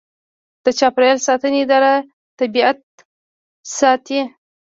د چاپیریال ساتنې اداره طبیعت ساتي